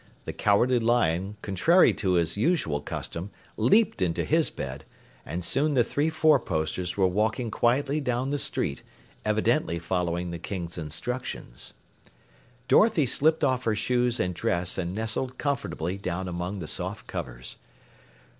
The Cowardly Lion, contrary to his usual custom, leaped into his bed, and soon the three four posters were walking quietly down the street, evidently following the King's instructions. Dorothy slipped off her shoes and dress and nestled comfortably down among the soft covers.